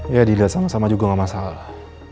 ya di lihat sama sama juga gak masalah